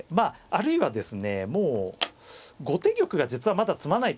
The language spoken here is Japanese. あるいはですねもう後手玉が実はまだ詰まない。